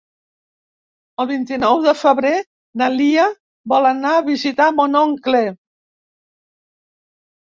El vint-i-nou de febrer na Lia vol anar a visitar mon oncle.